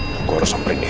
gue harus samperin nih